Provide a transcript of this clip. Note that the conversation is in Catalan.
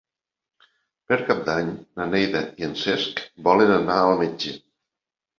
Per Cap d'Any na Neida i en Cesc volen anar al metge.